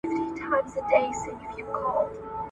زوړ زمری وو نور له ښکار څخه لوېدلی ,